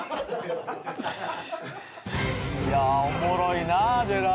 いやおもろいなジェラードン。